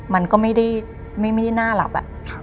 มันก็ไม่ได้น่าหลับ